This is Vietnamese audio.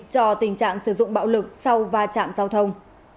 cho tình trạng sử dụng bạo lực sau va chạm giao thông